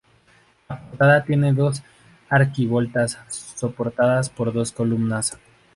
La portada tiene dos arquivoltas soportadas por dos columnas.